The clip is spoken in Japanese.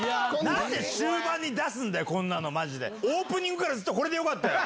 なんで終盤に出すんだよ、こんなの、マジで、オープニングからずっとこれでよかったよ。